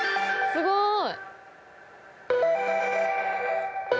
すごい。